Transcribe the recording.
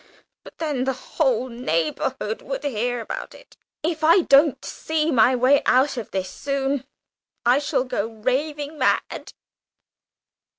But then the whole neighbourhood would hear about it! If I don't see my way out of this soon, I shall go raving mad!"